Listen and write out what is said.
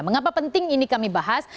mengapa penting ini kami bahas